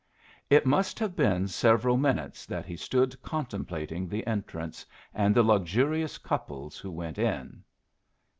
It must have been several minutes that he stood contemplating the entrance and the luxurious couples who went in.